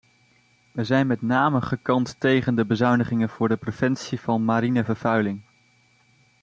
Wij zijn met name gekant tegen de bezuinigingen voor de preventie van mariene vervuiling.